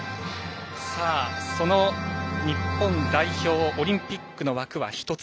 その日本代表のオリンピックの枠は１つ。